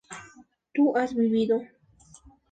tú has vivido